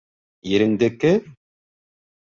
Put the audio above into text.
Иреңдеке?